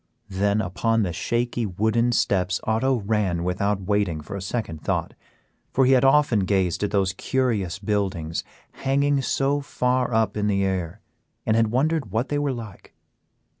Then upon the shaky wooden steps Otto ran without waiting for a second thought, for he had often gazed at those curious buildings hanging so far up in the air, and had wondered what they were like.